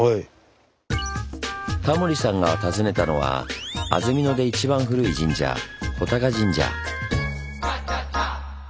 タモリさんが訪ねたのは安曇野で一番古い神社穗神社。